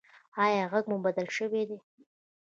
ایا غږ مو بدل شوی دی؟